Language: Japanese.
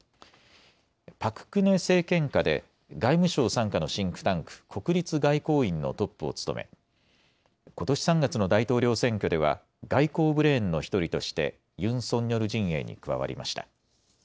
パク・クネ政権下で外務省傘下のシンクタンク、国立外交院のトップを務めことし３月の大統領選挙では外交ブレーンの１人としてユン・ソンニョル陣営に加わりました。